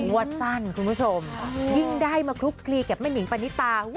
ว่าสั้นคุณผู้ชมยิ่งได้มาคลุกคลีกับแม่นิงปณิตา